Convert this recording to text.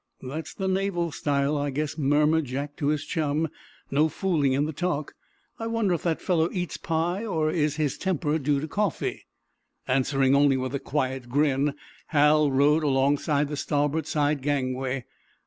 "That's the naval style, I guess," murmured Jack to his chum. "No fooling in the talk. I wonder if that fellow eats pie? Or is his temper due to coffee?" Answering only with a quiet grin, Hal rowed alongside the starboard side gangway.